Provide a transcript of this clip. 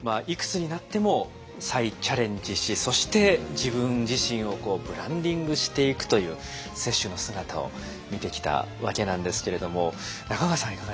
いくつになっても再チャレンジしそして自分自身をブランディングしていくという雪舟の姿を見てきたわけなんですけれども中川さん